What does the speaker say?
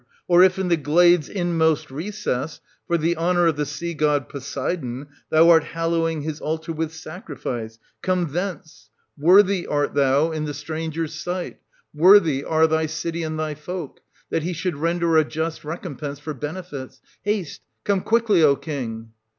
Or \i ant.2. in the glade's inmost recess, for the honour of the sea god Poseidon, thou art hallowing his altar with sacrifice, — come thence ! Worthy art thou in the stranger's s. 8 ii4 SOPHOCLES. [i497— 1519 sight, worthy are thy city and thy folk, that he should render a just recompense for. benefits. Haste, come quickly, O king